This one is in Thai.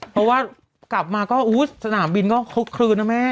เสร็จแล้วมาก็สนามบินเคลื่อนนะแม่